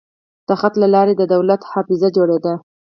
د خط له لارې د دولت حافظه جوړېده.